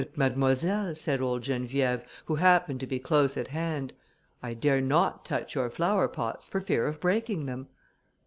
"But, mademoiselle," said old Geneviève, who happened to be close at hand, "I dare not touch your flowerpots, for fear of breaking them."